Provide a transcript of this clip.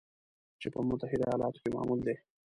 چې په متحده ایالاتو کې معمول دی